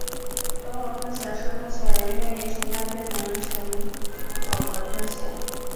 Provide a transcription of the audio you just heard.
可保风险是保险人愿意承保并能够承保的风险。